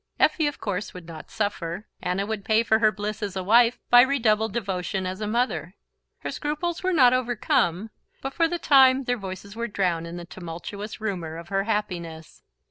Effie of course would not suffer; Anna would pay for her bliss as a wife by redoubled devotion as a mother. Her scruples were not overcome; but for the time their voices were drowned in the tumultuous rumour of her happiness.